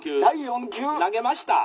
「投げました」。